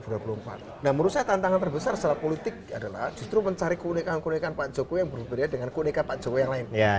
nah menurut saya tantangan terbesar secara politik adalah justru mencari keunikan keunikan pak jokowi yang berbeda dengan keunikan pak jokowi yang lain